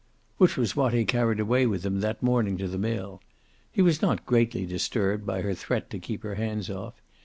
Which was what he carried away with him that morning to the mill. He was not greatly disturbed by her threat to keep her hands off.